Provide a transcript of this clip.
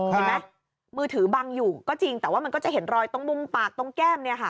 เห็นไหมมือถือบังอยู่ก็จริงแต่ว่ามันก็จะเห็นรอยตรงมุมปากตรงแก้มเนี่ยค่ะ